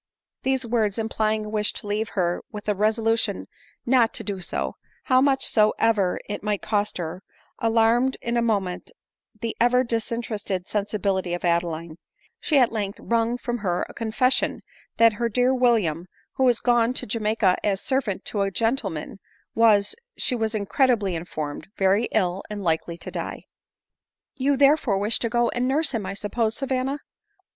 These words implying a wish to leave her, with a reso lution not to do so, how much so ever it might cost her, alarmed in a moment the ever disinterested sensibility of Adeline ; and she at length wrung from her a confession that her dear William, who was gone to Jamaica as ser vant to a gentleman, was, she was credibly informed, very ill and like to die. " You therefore wish to go and nurse him, I suppose, Savanna ?"